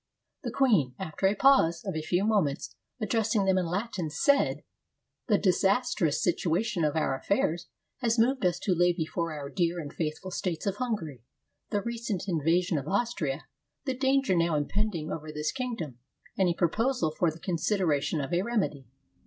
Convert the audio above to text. The queen, after a pause, of a few moments, addressing them in Latin, said :— "The disastrous situation of our affairs has moved us to lay before our dear and faithful states of Hungary, the recent invasion of Austria, the danger now impend ing over this kingdom, and a proposal for the considera tion of a remedy.